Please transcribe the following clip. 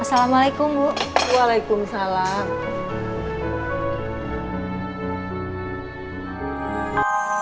assalamualaikum warahmatullahi wabarakatuh